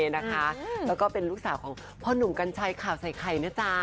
แล้วก็เป็นลูกสาวของพ่อหนุ่มกัญชัยข่าวใส่ไข่นะจ๊ะ